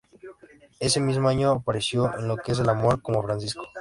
Ese mismo año, apareció en "Lo que es el amor" como Francisco.